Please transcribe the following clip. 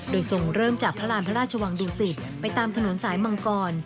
โดยทรงเริ่มจากพระราณพระราชวังดุสิตไปตามถนนสายมังกร